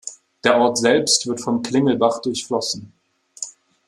Der Ort selbst wird vom Klingelbach durchflossen.